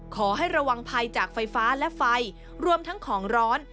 ขอให้ระวังภัยจากไฟฟ้าและไฟรวมทั้งของร้อน